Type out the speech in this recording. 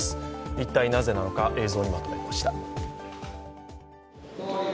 一体、なぜなのか映像にまとめました。